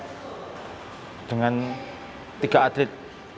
kita itu berangkat dengan tiga atlet